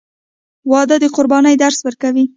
• واده د قربانۍ درس ورکوي.